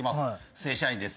正社員です。